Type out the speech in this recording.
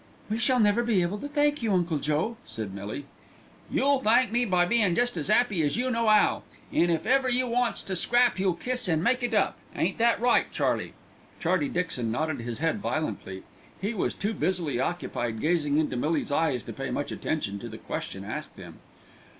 "We shall never be able to thank you, Uncle Joe," said Millie. "You'll thank me by bein' jest as 'appy as you know 'ow; and if ever you wants to scrap, you'll kiss and make it up. Ain't that right, Charlie?" Charlie Dixon nodded his head violently. He was too busily occupied gazing into Millie's eyes to pay much attention to the question asked him.